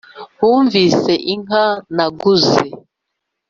bumvise inka naguze